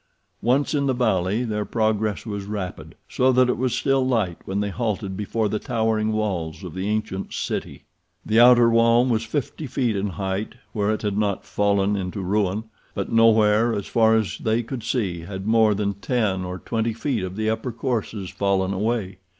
Once in the valley their progress was rapid, so that it was still light when they halted before the towering walls of the ancient city. The outer wall was fifty feet in height where it had not fallen into ruin, but nowhere as far as they could see had more than ten or twenty feet of the upper courses fallen away.